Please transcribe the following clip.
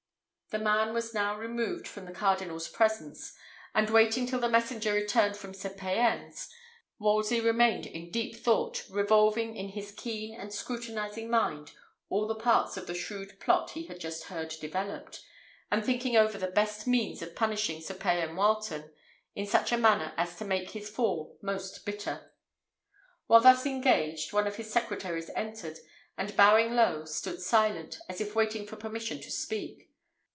The man was now removed from the cardinal's presence; and waiting till the messenger returned from Sir Payan's, Wolsey remained in deep thought, revolving in his keen and scrutinising mind all the parts of the shrewd plot he had just heard developed, and thinking over the best means of punishing Sir Payan Wileton in such a manner as to make his fall most bitter. While thus engaged, one of his secretaries entered, and bowing low stood silent, as if waiting for permission to speak.